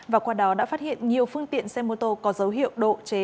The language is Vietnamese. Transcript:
và qua đó đã phát hiện nhiều phương tiện xe mô tô có dấu hiệu độ chế